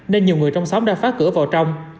nên nhiều người trong xóm đã phá cửa vào trong